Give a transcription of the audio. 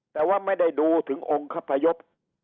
แต่ว่าไม่ได้ดูถึงองค์คพยพ